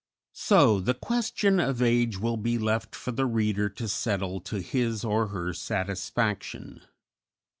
So the question of age will be left for the reader to settle to his or her satisfaction.